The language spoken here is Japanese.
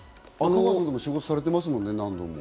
香川さんと仕事されてますもんね。